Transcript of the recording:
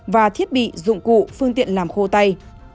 và thiết bị dụng cụ phương tiện làm khô tay